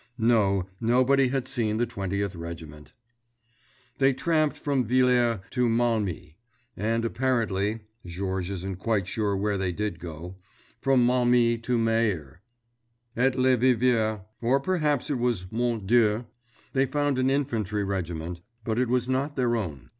No, nobody had seen the Twentieth Regiment. They tramped from Villers to Malmy, and, apparently (Georges isn't quite sure where they did go), from Malmy to Maire. At Le Vivier, or perhaps it was Mont Dieu, they found an infantry regiment, but it was not their own.